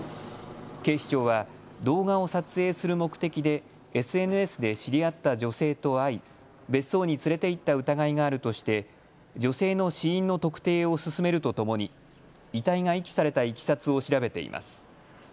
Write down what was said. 警視庁は動画を撮影する目的でＳＮＳで知り合った女性と会い別荘に連れて行った疑いがあるとして女性の死因の特定を進めるとともに遺体が遺棄されたいきさつを調べています。